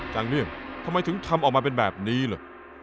จังเลี่ยงทำไมถึงทำออกมาเป็นแบบนี้เหรอ